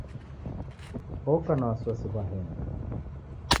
Oka na w'asi ghwa henga